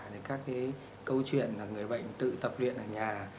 thì các cái câu chuyện là người bệnh tự tập luyện ở nhà